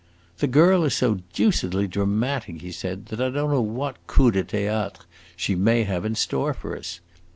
"The girl is so deucedly dramatic," he said, "that I don't know what coup de theatre she may have in store for us.